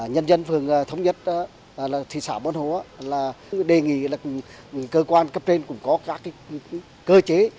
nhân dân phường thống nhất thị xã bồn hồ đề nghị là cơ quan cấp trên cũng có các cơ chế